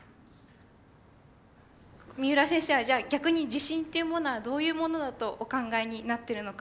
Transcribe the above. みうら先生はじゃあ逆に自信というものはどういうものだとお考えになってるのか。